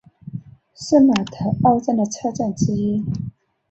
圣马特奥站的车站之一。